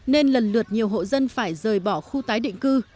nên lần lượt nhiều hộ dân phải rời bỏ khu tái định cư